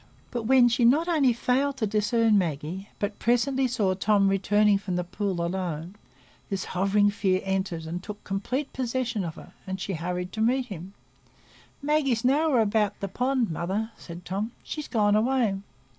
But when she not only failed to discern Maggie, but presently saw Tom returning from the pool alone, this hovering fear entered and took complete possession of her, and she hurried to meet him. "Maggie's nowhere about the pond, mother," said Tom; "she's gone away."